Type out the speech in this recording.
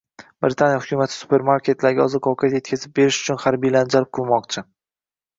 Britaniya hukumati supermarketlarga oziq-ovqat yetkazib berish uchun harbiylarni jalb qilmoqchi